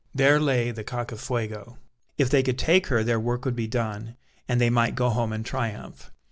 There lay the Cacafuego; if they could take her their work would be done, and they might go home in triumph.